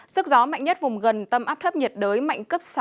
sức gió mạnh nhất vùng gần tâm áp thấp nhiệt đới mạnh cấp sáu